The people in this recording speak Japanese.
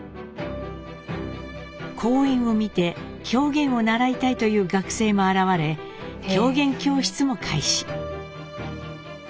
公演を見て狂言を習いたいという学生も現れ狂言教室も開始。